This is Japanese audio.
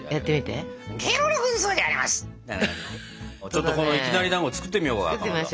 ちょっとこのいきなりだんご作ってみようかかまど。